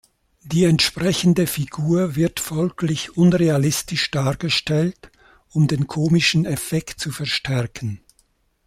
Die entsprechende Figur wird folglich unrealistisch dargestellt, um den komischen Effekt zu verstärken.